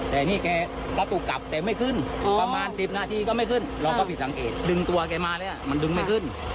แต่นี่แกประตูกลับแต่ไม่ขึ้นประมาณ๑๐นาทีก็ไม่ขึ้นเราก็ผิดสังเกตดึงตัวแกมาแล้วมันดึงไม่ขึ้น